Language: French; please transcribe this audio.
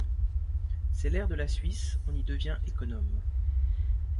C’est l’air de la Suisse, on y devient économe...